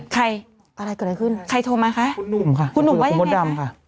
ใครอะไรเกิดอะไรขึ้นใครโทรมาคะคุณหนุ่มค่ะคุณหนุ่มว่าคุณมดดำค่ะ